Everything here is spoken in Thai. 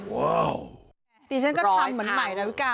ดิฉันก็ทำเหมือนใหม่ดาวิกา